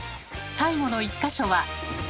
最後の１か所は？